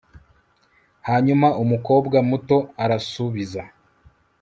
hanyuma umukobwa muto arasubiza